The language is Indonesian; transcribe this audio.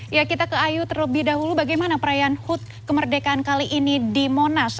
ya kita ke ayu terlebih dahulu bagaimana perayaan hut kemerdekaan kali ini di monas